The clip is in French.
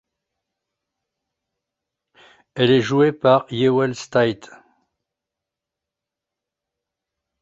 Elle est jouée par Jewel Staite.